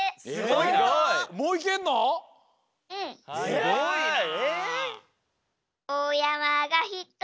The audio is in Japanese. すごいな！